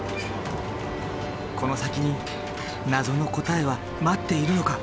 この先に謎の答えは待っているのか？